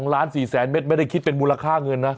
ล้าน๔แสนเมตรไม่ได้คิดเป็นมูลค่าเงินนะ